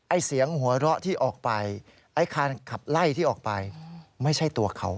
เสียงหัวเราะที่ออกไปไอ้คันขับไล่ที่ออกไปไม่ใช่ตัวเขา